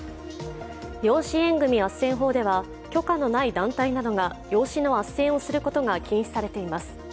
養子縁組あっせん法では許可のない団体などが養子のあっせんをすることが禁止されています。